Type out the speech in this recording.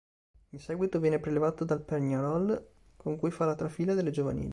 In seguito viene prelevato dal Peñarol, con cui fa la trafila delle giovanili.